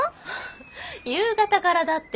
夕方からだって。